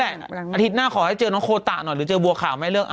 อาทิตย์หน้าขอให้เจอน้องโคตะหน่อยหรือเจอบัวขาวไม่เลือก